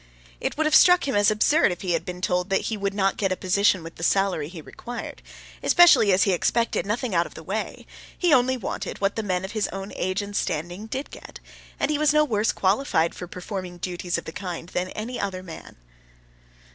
It would have struck him as absurd if he had been told that he would not get a position with the salary he required, especially as he expected nothing out of the way; he only wanted what the men of his own age and standing did get, and he was no worse qualified for performing duties of the kind than any other man.